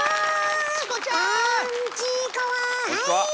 はい！